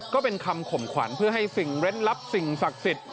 ก็เป็นคำข่มขวัญเพื่อให้สิ่งเล่นลับสิ่งศักดิ์สิทธิ์